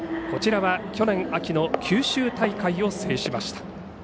こちらは去年秋の九州大会を制しました。